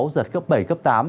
giật cấp bảy cấp tám